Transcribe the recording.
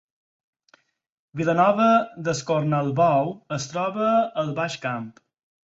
Vilanova d’Escornalbou es troba al Baix Camp